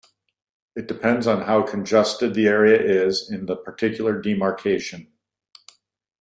It depends on how conjusted the area is in the particular demarcation.